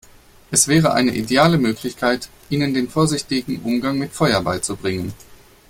Es wäre eine ideale Möglichkeit, ihnen den vorsichtigen Umgang mit Feuer beizubringen.